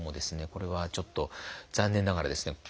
これはちょっと残念ながらですね